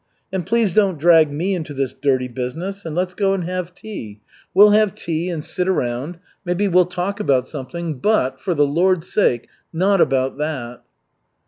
And please don't drag me into this dirty business, and let's go and have tea. We'll have tea and sit around, maybe we'll talk about something, but, for the Lord's sake, not about that."